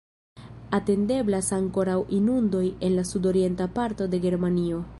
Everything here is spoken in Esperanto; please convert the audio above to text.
Atendeblas ankoraŭ inundoj en la sudorienta parto de Germanio.